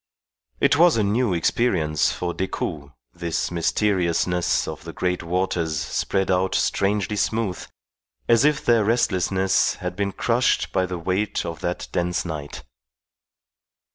It was a new experience for Decoud, this mysteriousness of the great waters spread out strangely smooth, as if their restlessness had been crushed by the weight of that dense night.